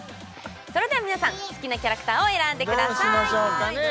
それでは皆さん好きなキャラクターを選んでくださいどうしましょうかね？